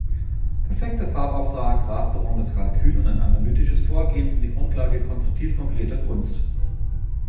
Perfekter Farbauftrag, Rasterung, das Kalkül und ein analytisches Vorgehen sind die Grundlage konstruktiv-konkreter Kunst.